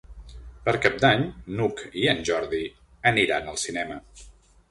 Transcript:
Per Cap d'Any n'Hug i en Jordi aniran al cinema.